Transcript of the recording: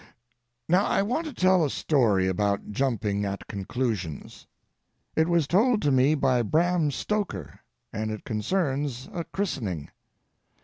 Now I want to tell a story about jumping at conclusions. It was told to me by Bram Stoker, and it concerns a christening.